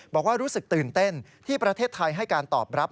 บอกว่ารู้สึกตื่นเต้นที่ประเทศไทยให้การตอบรับ